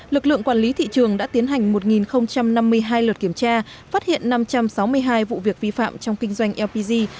lực lượng quản lý thị trường đã tiến hành một năm mươi hai lượt kiểm tra phát hiện năm trăm sáu mươi hai vụ việc vi phạm trong kinh doanh lpg